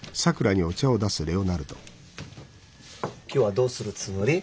今日はどうするつもり？